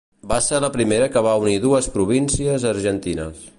Va ser la primera que va unir dues províncies argentines.